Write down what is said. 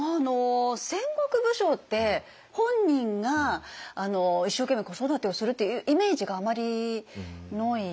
戦国武将って本人が一生懸命子育てをするっていうイメージがあまりない。